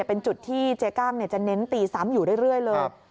เป็นจุดที่เจ๊กั้งจะเน้นตีซ้ำอยู่เรื่อยเลย